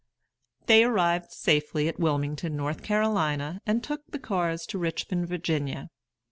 They arrived safely at Wilmington, North Carolina, and took the cars to Richmond, Virginia.